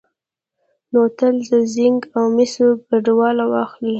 نو تل د زېنک او مسو ګډوله واخلئ،